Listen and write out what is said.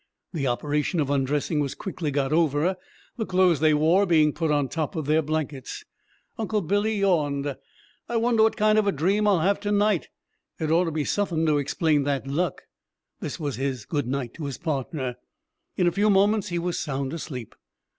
The operation of undressing was quickly got over, the clothes they wore being put on top of their blankets. Uncle Billy yawned, "I wonder what kind of a dream I'll have to night it oughter be suthin' to explain that luck." This was his "good night" to his partner. In a few moments he was sound asleep.